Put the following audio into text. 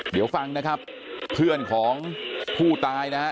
เดี๋ยวฟังนะครับเพื่อนของผู้ตายนะฮะ